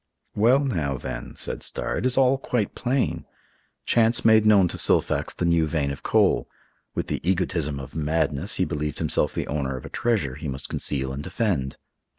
"Well, now, then," said Starr, "it is all quite plain. Chance made known to Silfax the new vein of coal. With the egotism of madness, he believed himself the owner of a treasure he must conceal and defend.